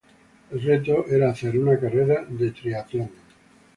El reto era hacer una carrera de triatlón.